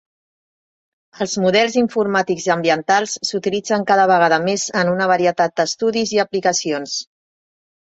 Els models informàtics ambientals s'utilitzen cada vegada més en una varietat d'estudis i aplicacions.